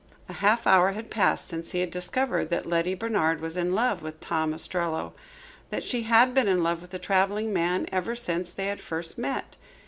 A half hour had passed since he had discovered that Letty Bernard was in love with Tom Ostrello, that she had been in love with the traveling man ever since they had first met.